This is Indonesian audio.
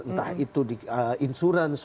entah itu di insurance